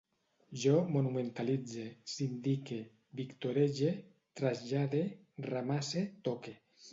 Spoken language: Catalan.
Jo monumentalitze, sindique, victorege, trasllade, ramasse, toque